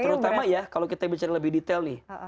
terutama ya kalau kita bicara lebih detail nih